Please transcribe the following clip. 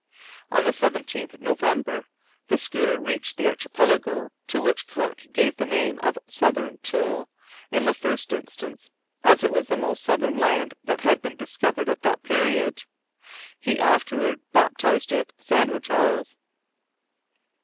On the 17th November the schooner reached the Archipelago to which Cook gave the name of Southern Thule in the first instance, as it was the most southern land that had been discovered at that period. He afterwards baptized it Sandwich Isles.